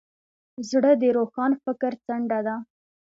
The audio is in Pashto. زړه د روښان فکر څنډه ده.